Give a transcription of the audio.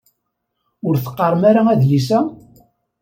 Ur teqqaṛem ara adlis-a?